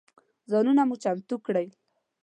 ځانونه مو چمتو کړل.